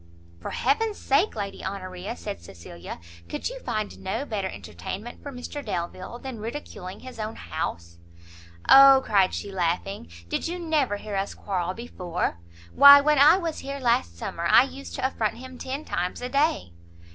"For heaven's sake, Lady Honoria," said Cecilia, "could you find no better entertainment for Mr Delvile than ridiculing his own house?" "O," cried she, laughing, "did you never hear us quarrel before? why when I was here last summer, I used to affront him ten times a day."